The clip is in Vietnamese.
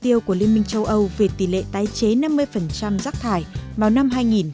mục tiêu của liên minh châu âu về tỷ lệ tái chế năm mươi rác thải vào năm hai nghìn ba mươi